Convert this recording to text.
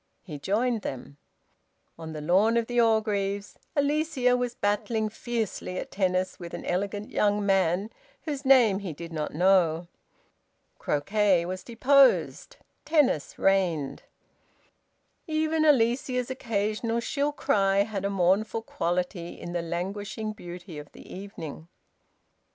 He joined them. On the lawn of the Orgreaves, Alicia was battling fiercely at tennis with an elegant young man whose name he did not know. Croquet was deposed; tennis reigned. Even Alicia's occasional shrill cry had a mournful quality in the languishing beauty of the evening.